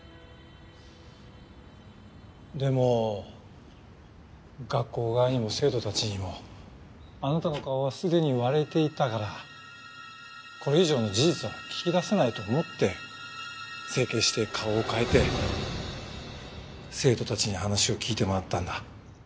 でも学校側にも生徒たちにもあなたの顔はすでに割れていたからこれ以上の事実は聞き出せないと思って整形して顔を変えて生徒たちに話を聞いて回ったんだ。